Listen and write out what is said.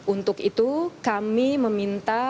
untuk itu kami meminta kepada seluruh pemerintah